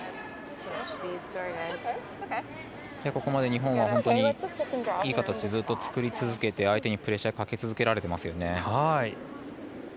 ここまで日本は本当にいい形をずっと作り続けて相手にプレッシャーをかけ続けられていますね。